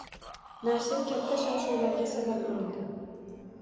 Nashr katta shov-shuvlarga sabab bo‘ldi